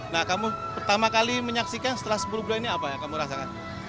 nah kamu pertama kali menyaksikan setelah sepuluh bulan ini apa yang kamu rasakan